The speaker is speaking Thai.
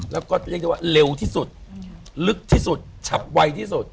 แล้วก็เรียกได้ว่าเร็วที่สุดลึกที่สุดชับไวที่สุด